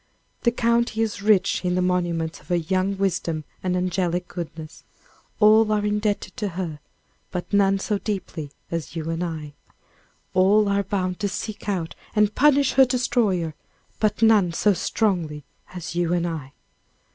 The county is rich in the monuments of her young wisdom and angelic goodness. All are indebted to her; but none so deeply as you and I. All are bound to seek out and punish her destroyer; but none so strongly as you and I.